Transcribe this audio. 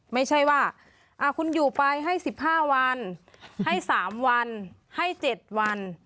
ไม่ใช่ว่าอ่าคุณอยู่ไปให้สิบห้าวันให้สามวันให้เจ็ดวัน